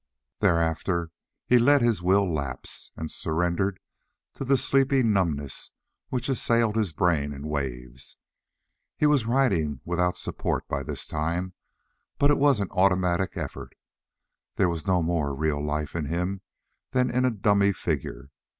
Thereafter he let his will lapse, and surrendered to the sleepy numbness which assailed his brain in waves. He was riding without support by this time, but it was an automatic effort. There was no more real life in him than in a dummy figure.